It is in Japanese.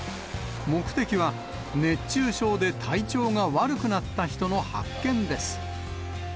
目的は、熱中症で体調が悪くなった人の発見です。